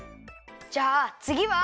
じゃあつぎは。